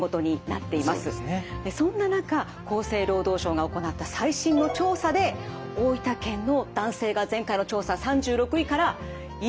そんな中厚生労働省が行った最新の調査で大分県の男性が前回の調査３６位から１位に。